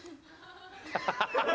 ハハハハ！